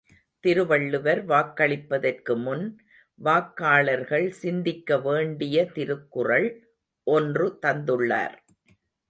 திருவள்ளுவர் வாக்களிப்பதற்கு முன் வாக்காளர்கள் சிந்திக்க வேண்டிய திருக்குறள் ஒன்று தந்துள்ளார்.